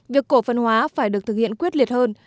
việc cổ phân hóa phải được thực hiện quyết liệt hơn